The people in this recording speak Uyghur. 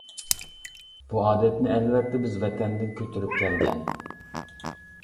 بۇ ئادەتنى ئەلۋەتتە بىز ۋەتەندىن كۆتۈرۈپ كەلگەن.